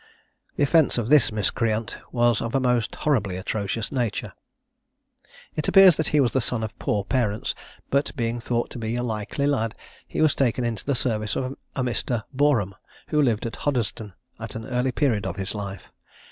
The offence of this miscreant was of a most horribly atrocious nature. It appears that he was the son of poor parents, but being thought to be a likely lad, he was taken into the service of a Mr. Boreham, who lived at Hoddesden, at an early period of his life.